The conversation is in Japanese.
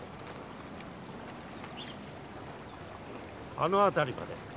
あのあたりまで。